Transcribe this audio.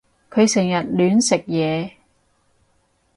佢成日亂食嘢